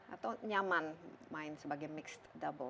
atau nyaman main sebagai mixed doubles